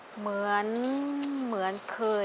เหมือนเหมือนเคย